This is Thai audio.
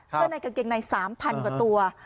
เสื้อในกางเกงใน๓๐๐๐กว่าตัว